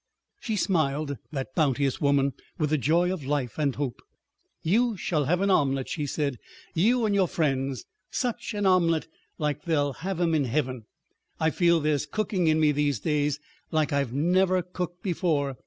She smiled, that bounteous woman, with the joy of life and hope. "You shall have an omelet," she said, "you and your friends; such an omelet—like they'll have 'em in heaven! I feel there's cooking in me these days like I've never cooked before.